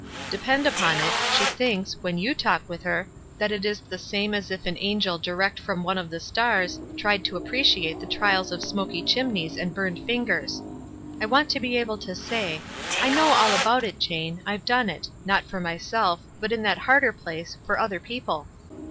Depend upon it, she thinks, when you talk with her, that it is the same as if an angel direct from one of the stars tried to appreciate the trials of smoky chimneys and burned lingers. I want to be able to say, f I know all about it, Jane. I've done it — not for myself, but in that harder place, for other people.'